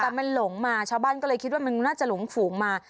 แต่มันหลงมาชาวบ้านก็เลยคิดว่ามันน่าจะหลงฝูงมา